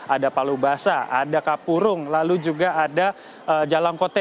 ada palu basah ada kapurung lalu juga ada jalangkote